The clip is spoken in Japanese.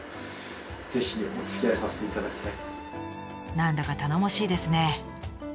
何だか頼もしいですね。